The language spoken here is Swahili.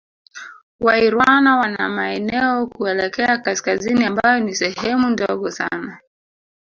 Wairwana wana maeneo kuelekea Kaskazini ambayo ni sehemu ndogo sana